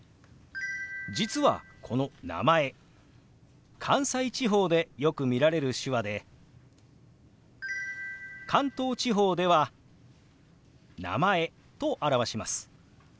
実はこの「名前」関西地方でよく見られる手話で関東地方では「名前」と表します。